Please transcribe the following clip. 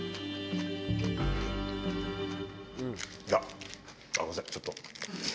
いやあっごめんなさいちょっと。